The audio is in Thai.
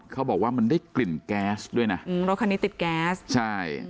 เขาบอกว่ามันได้กลิ่นแก๊สด้วยนะอืมรถคันนี้ติดแก๊สใช่